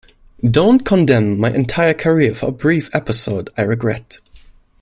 Don't condemn my entire career for a brief episode I regret.